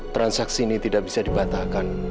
transaksi ini tidak bisa dibatalkan